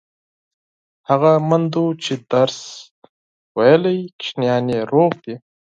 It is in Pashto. هغه میندو چې درس ویلی، ماشومان یې روغ دي.